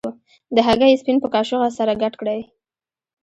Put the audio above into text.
د هګۍ سپین په کاشوغه سره ګډ کړئ.